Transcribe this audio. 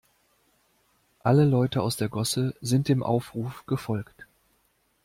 Alle Leute aus der Gosse sind dem Aufruf gefolgt.